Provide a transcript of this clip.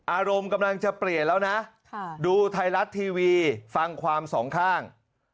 อารมณ์กำลังจะเปลี่ยนแล้วนะดูไทยรัฐทีวีฟังความสองข้าง